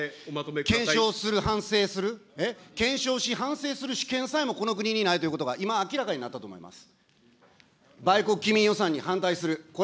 検証する、反省する、検証し、反省する主権さえもこの国にないということが、今、明らかになったと思います。